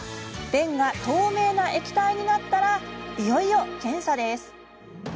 便が透明な液体になったらいよいよ検査です。